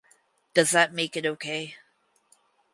Does that make it okay?